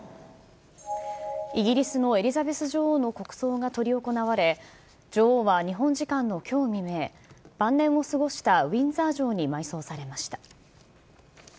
イギリスのエリザベス女王の国葬が執り行われ、女王は日本時間のきょう未明、晩年を過ごしたウィンザー城に埋葬されました。